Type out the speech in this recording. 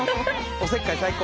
おせっかい最高。